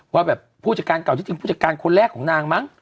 ว่าแบบผู้จัดการเก่าที่จริงผู้จัดการคนแรกของนางมั้ง